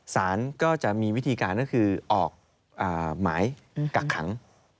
สารก็จะมีวิธีการก็คือออกหมายกักขัง